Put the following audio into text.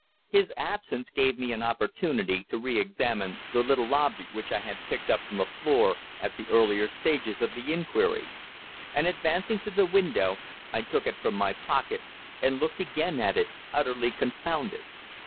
His absence gave me an opportunity to re examine the little object which I had picked up from the floor at the earlier stages of the inquiry; and advancing to the window I took it from my pocket and looked again at it, utterly confounded.